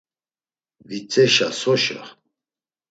Vitzeşa soşa?